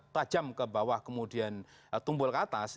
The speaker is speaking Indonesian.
tajam ke bawah kemudian tumbuh ke atas